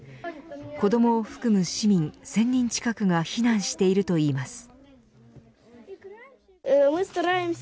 子どもを含む市民１０００人近くが避難しているといいます。